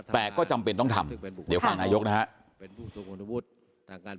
แต่ก็จำเป็นต้องทำเดี๋ยวฟังนายกนะฮะ